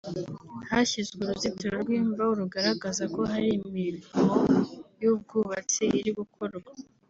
hashyizwe uruzitiro rw’imbaho rugaragaza ko hari imirimo y’ubwubatsi iri gukorwa